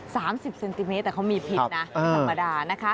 ๓๐เซนติเมตรแต่เขามีพิษนะธรรมดานะคะ